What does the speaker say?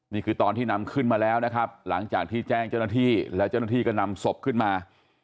นี่คือตอนที่นำขึ้นมาแล้วนะครับหลังจากที่แจ้งเจ้าหน้าที่แล้วเจ้าหน้าที่ก็นำศพขึ้นมา